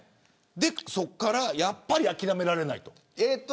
そこからやっぱり諦められないと。